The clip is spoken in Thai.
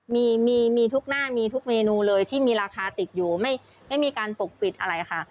มีมีทุกหน้ามีทุกเมนูเลยที่มีราคาติดอยู่ไม่มีการปกปิดอะไรค่ะ